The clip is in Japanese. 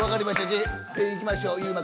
じゃあいきましょう」